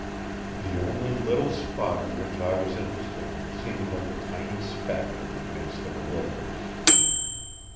The only little spot in which I was interested seemed like a tiny speck in the midst of a wilderness.